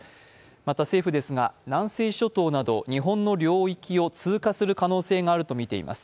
また政府は南西諸島など日本の領域を通過する可能性があるとみています。